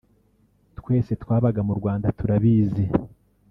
twese twabaga mu Rwanda turabizi